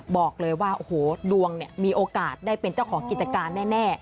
บอกเลยว่าโอ้โหดวงเนี่ยมีโอกาสได้เป็นเจ้าของกิจการแน่